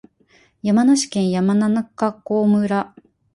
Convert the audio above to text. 山梨県山中湖村